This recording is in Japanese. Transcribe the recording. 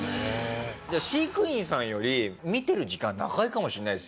飼育員さんより見てる時間長いかもしれないですよね。